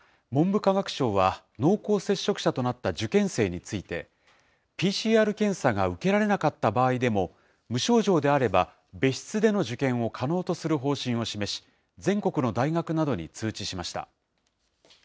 文部科学省は濃厚接触者となった受験生について、ＰＣＲ検査が受けられなかった場合でも、無症状であれば別室での受験を可能とする方針を示し、全国の大学などに通知しました。